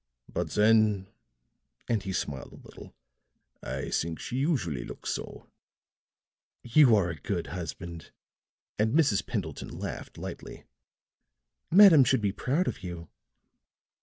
But then," and he smiled a little, "I think she usually looks so." "You are a good husband," and Mrs. Pendleton laughed lightly. "Madame should be proud of you.